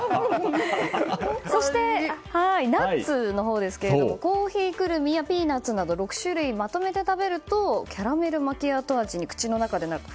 そして、ナッツのほうですがコーヒークルミやピーナツなど６種類まとめて食べるとキャラメルマキアート味に口の中でなると。